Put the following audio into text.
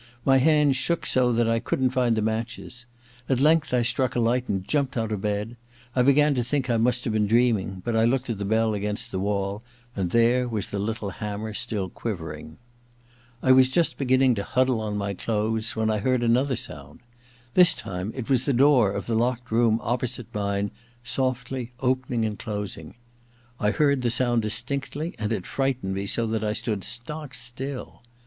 My hands shook so that I couldn't find the matches. At length I struck a light and jumped out of bed. I began to think I must have been dream ing ; but I looked at the bell against the wall, and there was the little hammer still quivering. I was just beginning to huddle on my clothes when I heard another sound. This time it was the door of the locked room opposite mine softly opening and closing. I heard the sound distinctly, and it frightened me so that I stood stock still.